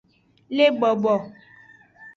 Le bobo.